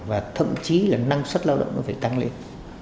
và thậm chí là năng suất lao động nó phải tăng lên